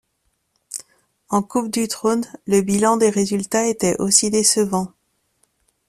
En Coupe du Trône, le bilan des résultats étaient aussi décevant.